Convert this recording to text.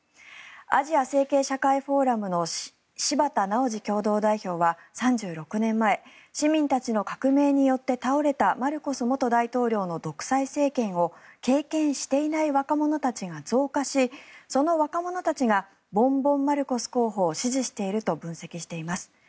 アジア政経社会フォーラムの柴田直治共同代表は、３６年前市民たちの革命によって倒れたマルコス元大統領の独裁政権を経験していない若者たちが増加しその若者たちがボンボン・マルコス候補を支持していると分析しています。